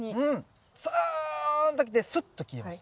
ツーンときてスッと消えました。